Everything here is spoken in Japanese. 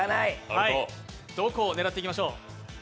どこを狙っていきましょう？